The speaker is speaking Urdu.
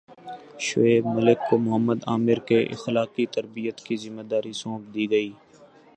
شعیب ملک کو محمد عامر کی اخلاقی تربیت کی ذمہ داری سونپ دی گئی